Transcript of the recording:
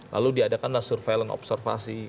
lalu diadakanlah surveillance observasi